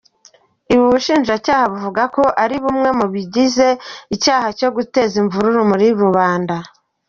Ibi Ubushinjacyaha buvuga ko ari bimwe mu bigize icyaha cyo guteza imvururu muri rubanda.